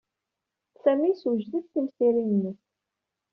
Sami yessewjed timsirin-nnes.